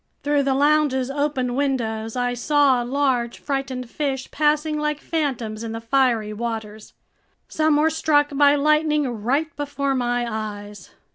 Through the lounge's open windows, I saw large, frightened fish passing like phantoms in the fiery waters. Some were struck by lightning right before my eyes!